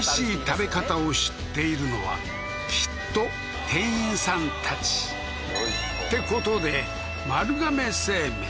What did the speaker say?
食べ方を知っているのはきっと店員さんたちってことで丸亀製麺